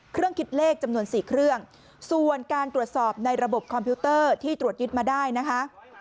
คิดเลขจำนวน๔เครื่องส่วนการตรวจสอบในระบบคอมพิวเตอร์ที่ตรวจยึดมาได้นะคะ